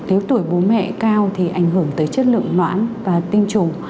nếu tuổi bố mẹ cao thì ảnh hưởng tới chất lượng hoãn và tinh trùng